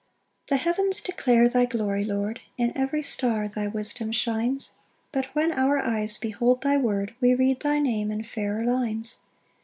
1 The heavens declare thy glory, Lord, In every star thy wisdom shines; But when our eyes behold thy word We read thy name in fairer lines.